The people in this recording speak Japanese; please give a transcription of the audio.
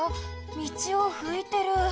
みちをふいてる。